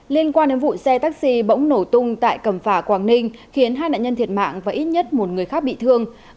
liên quan đến vụ xe taxi bỗng nổ tung tại cẩm phả quảng ninh khiến hai nạn nhân thiệt mạng và ít nhất một người khác bị thương